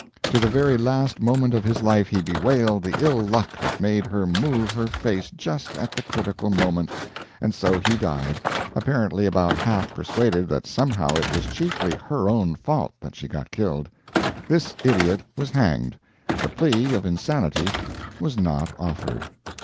To the very last moment of his life he bewailed the ill luck that made her move her face just at the critical moment. And so he died, apparently about half persuaded that somehow it was chiefly her own fault that she got killed. This idiot was hanged. The plea of insanity was not offered.